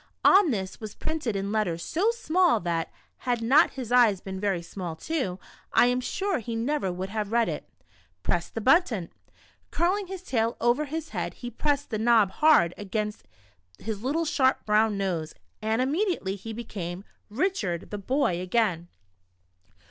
On this was printed, in letters so small that, had not his eyes been very small too, I am sure he never could have read it, " Press the but ton." Curling his tail over his head, he pressed the knob hard against his little sharp brow^n nose, and immediately he became — Richard — the boy, again.